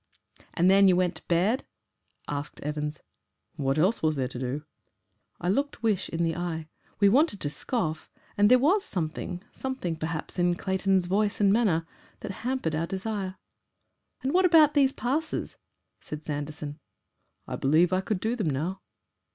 "And then you went to bed?" asked Evans. "What else was there to do?" I looked Wish in the eye. We wanted to scoff, and there was something, something perhaps in Clayton's voice and manner, that hampered our desire. "And about these passes?" said Sanderson. "I believe I could do them now."